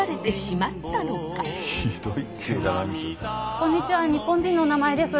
こんにちは「日本人のおなまえ」です。